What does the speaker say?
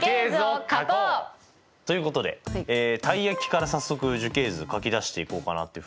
ということでたい焼きから早速樹形図書き出していこうかなというふうに思います。